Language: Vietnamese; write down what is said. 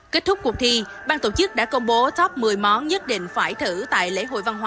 kết thúc cuộc thi bang tổ chức đã công bố top một mươi món nhất định phải thử tại lễ hội văn hóa